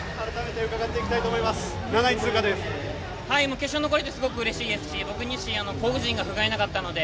決勝に残れてすごくうれしいですし僕自身、個人がふがいなかったので。